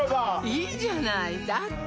いいじゃないだって